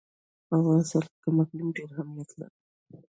په افغانستان کې اقلیم ډېر اهمیت لري.